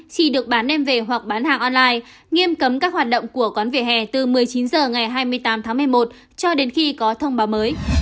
chỉ được bán em về hoặc bán hàng online nghiêm cấm các hoạt động của quán vỉa hè từ một mươi chín h ngày hai mươi tám tháng một mươi một cho đến khi có thông báo mới